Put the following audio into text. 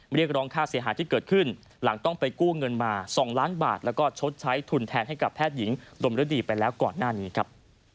เรียกร้องค่าเสียหายที่เกิดขึ้นหลังต้องไปกู้เงินมา๒ล้านบาทแล้วก็ชดใช้ทุนแทนให้กับแพทย์หญิงดมฤดีไปแล้วก่อนหน้านี้ครับ